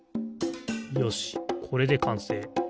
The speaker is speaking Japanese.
よしこれでかんせい。